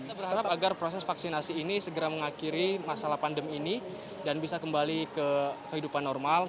kita berharap agar proses vaksinasi ini segera mengakhiri masalah pandemi ini dan bisa kembali ke kehidupan normal